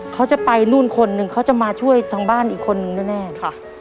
เขาจะไปนู่นคนนึงเขาจะมาช่วยทางบ้านอีกคนนึงแน่ค่ะ